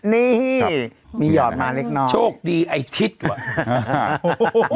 นี่มีหยอดมาเล็กน้อยโชคดีไอ้ทิศว่ะ